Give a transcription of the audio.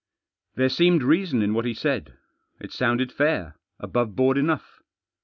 There seemed reason in what he said. It sounded fair ; above board enough.